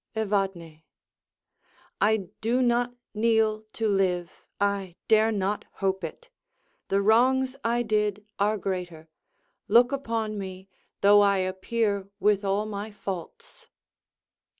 Evadne I do not kneel to live; I dare not hope it; The wrongs I did are greater. Look upon me, Though I appear with all my faults.